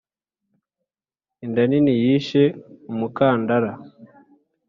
• inda nini yishe umukandara